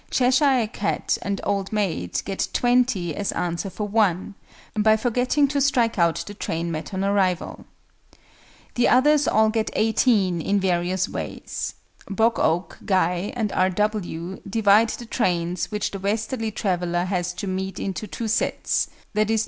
CHESHIRE CAT and OLD MAID get "20" as answer for (1), by forgetting to strike out the train met on arrival. The others all get "18" in various ways. BOG OAK, GUY, and R. W. divide the trains which the westerly traveller has to meet into 2 sets, viz.